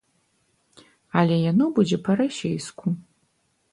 Але яно будзе па-расейску.